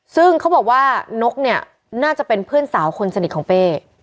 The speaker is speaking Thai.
ซึ่งเขาบอกว่านกเนี่ยน่าจะเป็นเพื่อนสาวคนสนิทของเป้